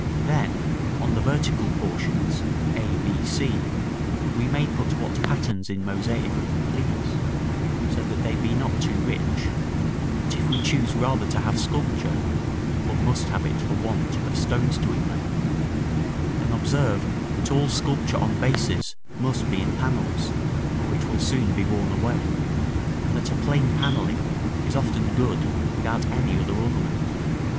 Then, on the vertical portions, a, b, c, we may put what patterns in mosaic we please, so that they be not too rich; but if we choose rather to have sculpture (or must have it for want of stones to inlay), then observe that all sculpture on bases must be in panels, or it will soon be worn away, and that a plain panelling is often good without any other ornament.